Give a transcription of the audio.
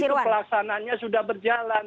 dan itu pelaksananya sudah berjalan